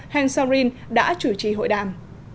heng samrin đã chủ trì hội đàm